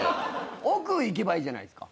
奥行けばいいじゃないですか。